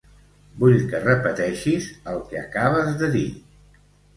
Vull que repeteixis el que acabes de dir.